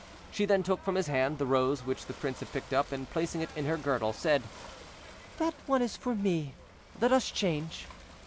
She then took from his hand the rose which the prince had picked up, and placing it in her girdle, said— "That one is for me, let us change."